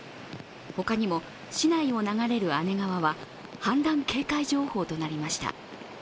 他にも市内を流れる姉川は氾濫危険情報となりました。